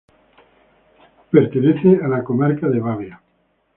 Pertenece a la comarca de Babia.